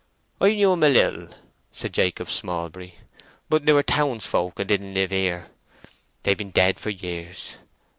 "I knew them a little," said Jacob Smallbury; "but they were townsfolk, and didn't live here. They've been dead for years.